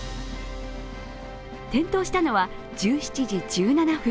点灯したのは１７時１７分。